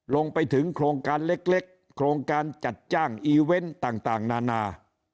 ลงไปถึงโครงการเล็กโครงการจัดจ้างอีเวนต์ต่างนานา